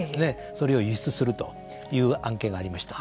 それを輸出するという案件がありました。